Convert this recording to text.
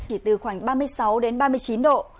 chỉ từ khoảng ba mươi sáu đến ba mươi chín độ